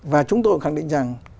và chúng tôi khẳng định rằng